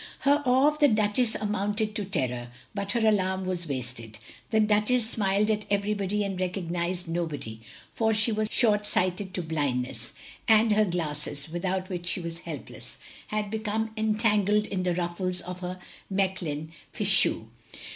Her awe of the Duchess amounted to terror, but her alarm was wasted; the Duchess smiled at everybody and recognised nobody, for she was short sighted to blindness, and her glasses, without which she was helpless, had become entangled in the ruffles of her Mechlin fichu.